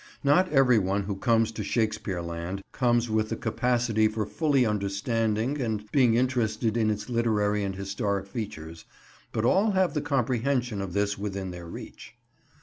Not every one who comes to Shakespeare Land comes with the capacity for fully understanding and being interested in its literary and historic features, but all have the comprehension of this within their reach.